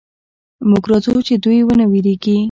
موږ راځو چې دوئ ونه وېرېږي.